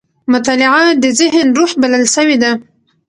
مطالعه د ذهن روح بلل سوې ده.